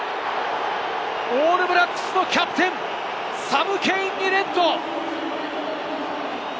オールブラックスのキャプテン、サム・ケインにレッド！